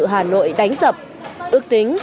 hà nội đánh dập ước tính